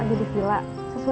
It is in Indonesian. aku mau ke rumah